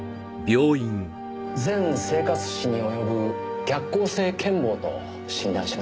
全生活史に及ぶ逆行性健忘と診断しました。